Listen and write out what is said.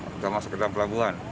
kita masuk ke dalam pelabuhan